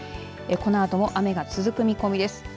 このあとも雨が続く見込みです。